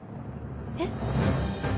えっ？